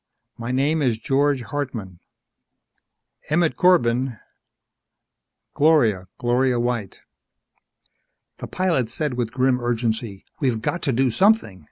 My name is George Hartman." "Emmett Corbin." "Gloria ... Gloria White." The pilot said with grim urgency: "We've got to do something.